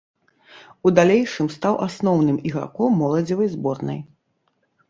У далейшым стаў асноўным ігракм моладзевай зборнай.